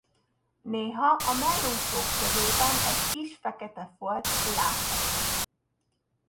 Néha a mellúszók tövében egy kis fekete folt látható.